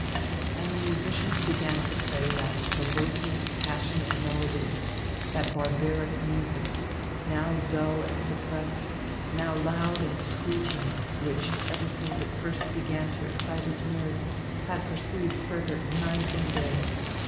And the musicians began to play that provoking, passionate melody, that barbaric music, now dull and suppressed, now loud and screeching, which, ever since it first began to excite his nerves, had pursued Frederick night and day.